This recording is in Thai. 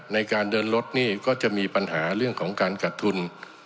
ในการเดินรถนี่ก็จะมีปัญหาเรื่องของการขัดทุน